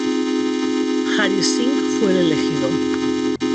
Hari Singh fue el elegido.